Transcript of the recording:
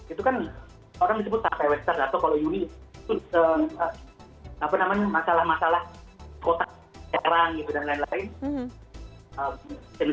itu kan orang disebut tape western atau kalau yuni itu apa namanya masalah masalah kotak kerang gitu dan lain lain